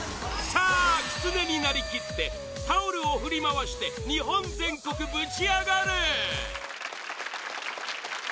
さあ、キツネになりきってタオルを振り回して日本全国ぶちアガれ！